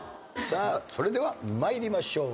それでは参りましょう。